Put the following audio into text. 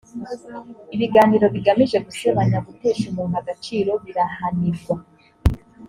ibiganiro bigamije gusebanya gutesha umuntu agaciro birahanirwa